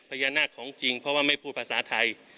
พญานาคของจริงเพราะว่าไม่พูดภาษาไทย